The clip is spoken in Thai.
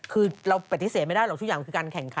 คือเราปฏิเสธไม่ได้หรอกทุกอย่างคือการแข่งขัน